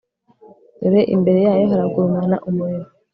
dore imbere yayo haragurumana umuriro